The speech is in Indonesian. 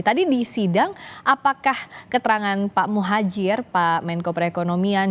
tadi di sidang apakah keterangan pak muhajir pak menko perekonomian